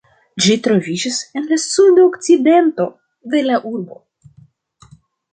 Ĝi troviĝas en la sudokcidento de la urbo.